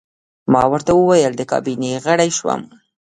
ما ورته وویل: د کابینې غړی شوم.